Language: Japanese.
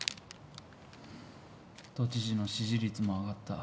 都知事の支持率も上がった。